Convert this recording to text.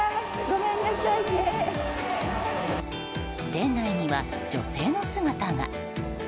店内には女性の姿が。